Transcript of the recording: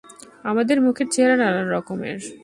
আমাদের মুখের চেহারা নানা রকমের।